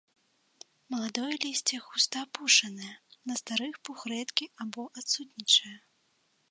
Маладое лісце густа апушанае, на старых пух рэдкі або адсутнічае.